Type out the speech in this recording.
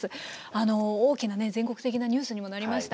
あの大きなね全国的なニュースにもなりました。